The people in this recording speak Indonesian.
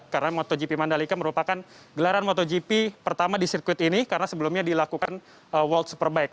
karena motogp mandalika merupakan gelaran motogp pertama di sirkuit ini karena sebelumnya dilakukan world superbike